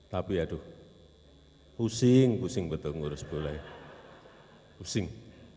tapi aduh pusing pusing betul urus bola ya pusing